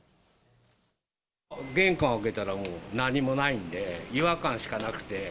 玄関開けたら、何もないんで、違和感しかなくて。